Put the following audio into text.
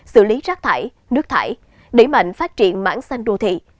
xử lý rác thải nước thải đẩy mạnh phát triển mảng xanh đô thị